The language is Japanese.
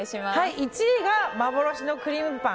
１位が幻のクリームパン。